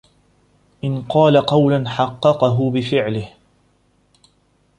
إنْ قَالَ قَوْلًا حَقَّقَهُ بِفِعْلِهِ